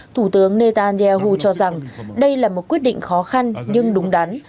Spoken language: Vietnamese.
thủ tướng netanyahu cho rằng đây là một quyết định khó khăn nhưng đúng đắn